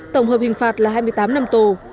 tổng hợp hình phạt là hai mươi tám năm tù